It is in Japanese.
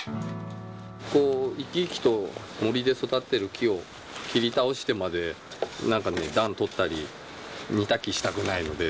生き生きと森で育ってる木を切り倒してまで、なんかね、暖とったり、煮炊きしたくないので。